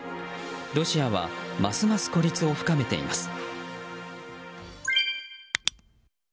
ロシアはますます孤立を深めています。